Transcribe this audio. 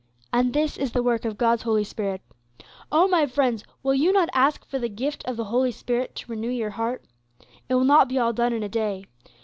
And this is the work of God's Holy Spirit. "Oh! my friends, will you not ask for the gift of the Holy Spirit to renew your heart? It will not be all done in a day.